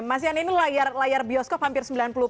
mas yan ini layar bioskop hampir sembilan puluh tujuh